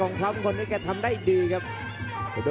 โอ้โหไม่พลาดกับธนาคมโด้แดงเขาสร้างแบบนี้